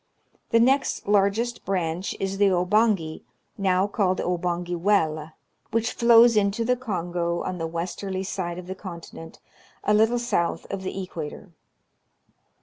The next largest branch is the Obangi, now called the Obangi Welle, which Hows into the Kongo on the westerly side of the conti nent, a little south of the equator.